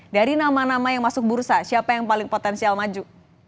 dari nama nama yang masuk bursa siapa yang paling potensial maju